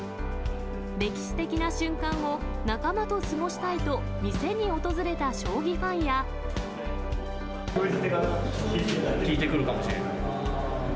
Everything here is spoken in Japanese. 歴史的な瞬間を仲間と過ごし封じ手が効いてくるかもしれない。